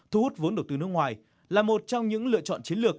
thu hút vốn đầu tư nước ngoài là một trong những lựa chọn chiến lược